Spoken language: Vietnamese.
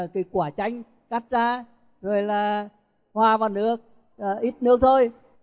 cái quả chanh cắt ra rồi là hòa vào nước ít nước thôi